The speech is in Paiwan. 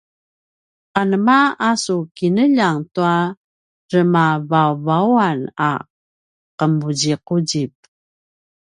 anemanema a su kinljang tua remavauvaungan a ’emuzimuzip?